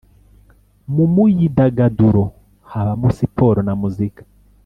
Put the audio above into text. “Mu muyidagaduro habamo siporo na muzika